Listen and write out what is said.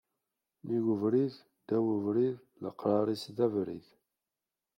Nnig ubrid, ddaw ubrid, leqrar-is d abrid